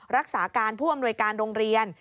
รักษาการผู้อำนวยการโรงเรียน